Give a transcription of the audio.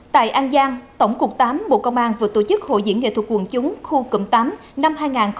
tại an giang tổng cục tám bộ công an vừa tổ chức hội diễn nghệ thuật quần chúng khu cụm tám năm hai nghìn hai mươi